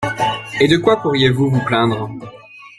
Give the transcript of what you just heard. Et de quoi pourriez-vous vous plaindre ?